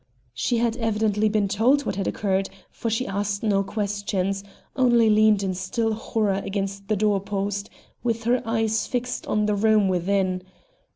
She had evidently been told what had occurred, for she asked no questions, only leaned in still horror against the door post, with her eyes fixed on the room within.